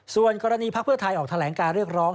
ส่วนกรณีพักเพื่อไทยออกแถลงการเรียกร้อง